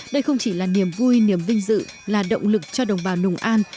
đây không chỉ là niềm vui niềm vinh dự là động lực cho đồng bào nùng an